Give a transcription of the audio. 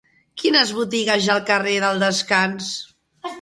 Quines botigues hi ha al carrer del Descans?